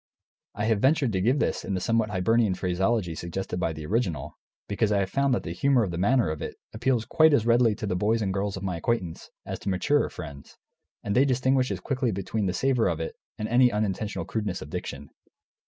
I have ventured to give this in the somewhat Hibernian phraseology suggested by the original, because I have found that the humour of the manner of it appeals quite as readily to the boys and girls of my acquaintance as to maturer friends, and they distinguish as quickly between the savour of it and any unintentional crudeness of diction.